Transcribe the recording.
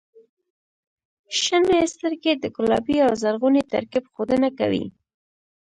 • شنې سترګې د ګلابي او زرغوني ترکیب ښودنه کوي.